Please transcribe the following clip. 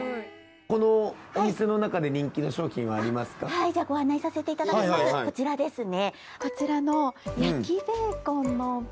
はいご案内させていただきますこちらですね。